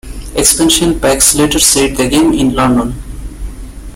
Expansion packs later set the game in London.